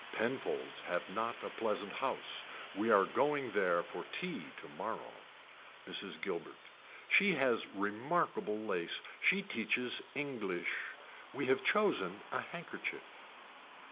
Penfolds have not a pleasant house we are going there for tea tomorrow. Mrs. Guilbert. She has remarkable lace. She teaches English. We have chosen a handkerchief.